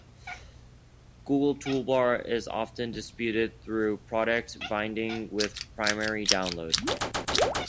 Google Toolbar is often distributed through product bundling with a primary download.